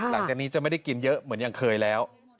หลังจากนี้จะไม่ได้กินเยอะเหมือนยังเคยแล้ว